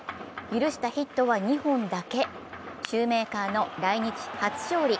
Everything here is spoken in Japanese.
許したヒットは２本だけ、シューメーカーの来日初勝利。